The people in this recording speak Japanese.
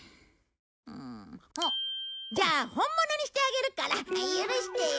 じゃあ本物にしてあげるから許してよ。